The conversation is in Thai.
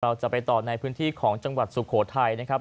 เราจะไปต่อในพื้นที่ของจังหวัดสุโขทัยนะครับ